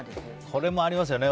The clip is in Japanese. これもありますよね